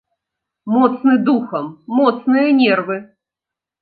Моцны духам, моцныя нервы!